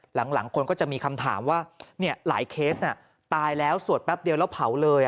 หลังคนก็จะมีคำถามว่าหลายเคสตายแล้วสวดแป๊บเดียวแล้วเผาเลย